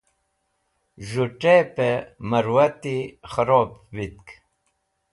Z̃hũ t̃epẽ mẽrwati k̃hẽrob vitk.